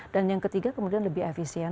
dan yang ketiga kemudian lebih efisien